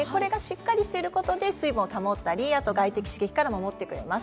それがしっかりしていることで水分を保ったり、外的刺激から守ってくれます。